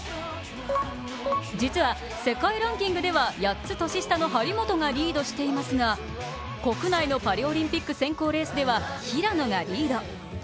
実は世界ランキングでは８つ年下の張本がリードしていますが国内のパリオリンピック選考レースでは平野がリード。